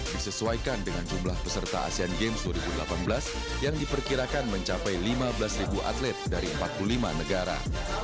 disesuaikan dengan jumlah peserta asean games dua ribu delapan belas yang diperkirakan mencapai lima belas atlet dari empat puluh lima negara